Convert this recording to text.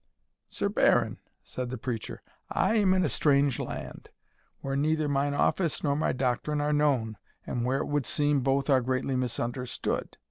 "Sir Baron," said the preacher, "I am in a strange land, where neither mine office nor my doctrine are known, and where, it would seem, both are greatly misunderstood.